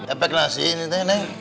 epek nasi ini neng